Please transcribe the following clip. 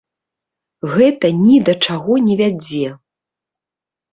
Гэта ні да чаго не вядзе.